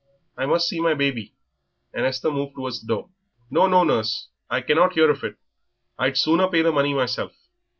I must see my baby," and Esther moved towards the door. "No, no, nurse, I cannot hear of it; I'd sooner pay the money myself.